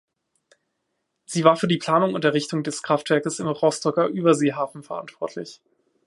Sie war für die Planung und Errichtung des Kraftwerkes im Rostocker Überseehafen verantwortlich.